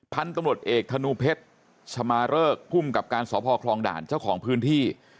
พันธุ์ตำรวจเอกธนูเพชรชมาเริกภูมิกับการสพคลองด่านเจ้าของพื้นที่